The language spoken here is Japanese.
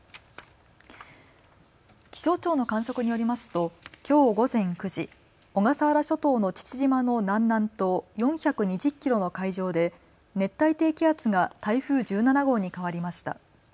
気象庁の観測によりますときょう午前９時、小笠原諸島の父島の南南東４２０キロの海上で熱帯低気圧が台風１７号に変わりました。